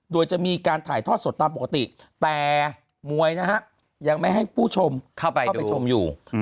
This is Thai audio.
โดยจะมีการถ่ายทอดสดตามปกติแต่มวยนะฮะยังไม่ให้ผู้ชมเข้าไปไปชมอยู่